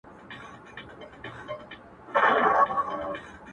درته دعاوي هر ماښام كومه.